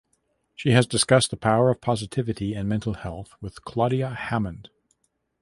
She has discussed the power of positivity and mental health with Claudia Hammond.